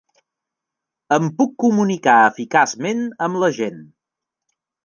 Em puc comunicar eficaçment amb la gent.